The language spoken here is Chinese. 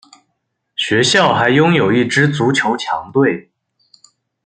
学校还拥有一支足球强队。